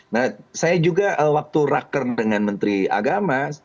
nah saya juga waktu raker dengan menteri agama